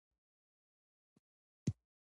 که ماشوم ته مینه ورکړو، نو هغه به د کلتور برخه وي.